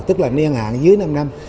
tức là niên hạn dưới năm năm